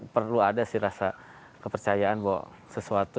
perlu ada sih rasa kepercayaan bahwa sesuatu